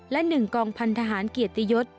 และ๑กองพันธหารเกียรติยศ